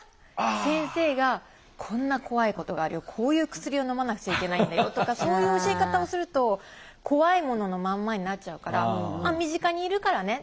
先生が「こんな怖いことがあるよ。こういう薬をのまなくちゃいけないんだよ」とかそういう教え方をすると怖いもののまんまになっちゃうから「身近にいるからね。